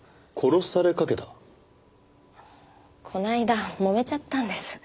この間揉めちゃったんです。